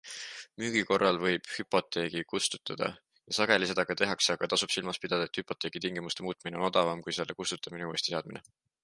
Müügi korral võib hüpoteegi kustutada ja sageli seda ka tehakse, aga tasub silmas pidada, et hüpoteegi tingimuste muutmine on odavam, kui selle kustutamine ja uuesti seadmine.